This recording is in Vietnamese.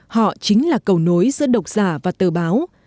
họ chính là cầu nối giữa độc giả và tờ báo